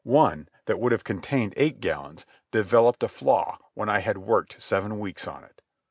One, that would have contained eight gallons, developed a flaw when I had worked seven weeks on it.